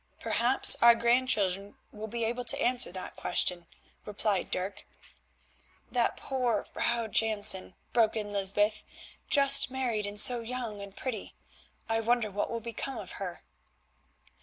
"Perhaps our grandchildren will be able to answer that question," replied Dirk. "That poor Vrouw Jansen," broke in Lysbeth, "just married, and so young and pretty. I wonder what will become of her."